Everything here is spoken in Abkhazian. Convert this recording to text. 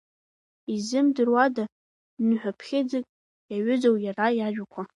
Иззымдыруада ныҳәаԥхьыӡык иаҩызоу иара иажәақәа…